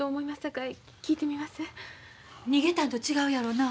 逃げたんと違うやろな。